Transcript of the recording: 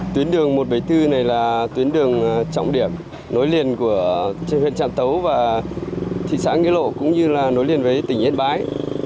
tuyến đường một trăm bảy mươi bốn này là tuyến đường trọng điểm nối liền huyện trạm tấu và thị xã nghĩa lộ cũng như là nối liền với tỉnh yên bái